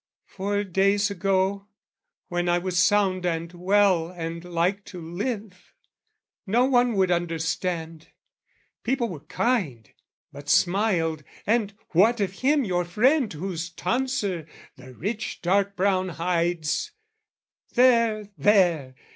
Four days ago, when I was sound and well And like to live, no one would understand. People were kind, but smiled "And what of him, "Your friend, whose tonsure, the rich dark brown hides? "There, there!